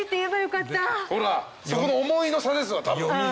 そこの思いの差ですわたぶん。